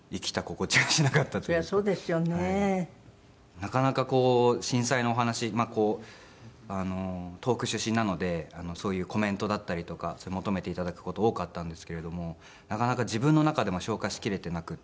なかなかこう震災のお話東北出身なのでそういうコメントだったりとか求めて頂く事多かったんですけれどもなかなか自分の中でも消化しきれていなくって。